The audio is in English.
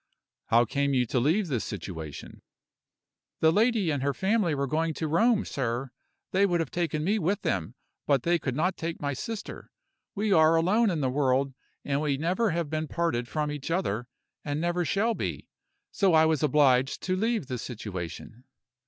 "How came you to leave this situation?" "The lady and her family were going to Rome, sir. They would have taken me with them, but they could not take my sister. We are alone in the world, and we never have been parted from each other, and never shall be so I was obliged to leave the situation."